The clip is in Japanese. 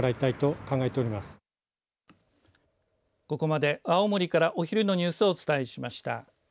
ここまで青森からお昼のニュースをお伝えしました。